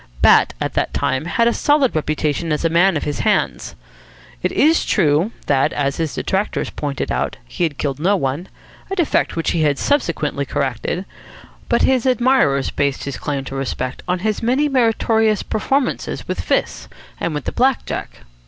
Bat at that time had a solid reputation as a man of his hands. It is true that, as his detractors pointed out, he had killed no one a defect which he had subsequently corrected; but his admirers based his claim to respect on his many meritorious performances with fists and with the black jack.